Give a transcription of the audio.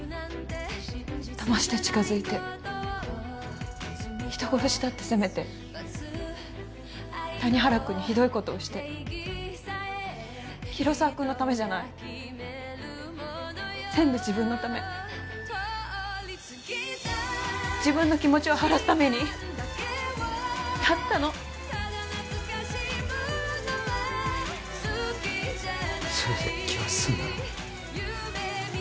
だまして近づいて人殺しだって責めて谷原君にひどいことをして広沢君のためじゃない全部自分のため自分の気持ちを晴らすためにやったのそれで気は済んだの？